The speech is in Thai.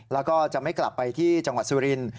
แล้วก็จะไม่กลับไปที่จังหวัดสุรินทร์